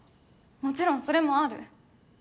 もちろんそれもある。